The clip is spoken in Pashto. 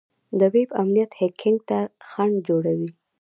د ویب امنیت هیکینګ ته خنډ جوړوي.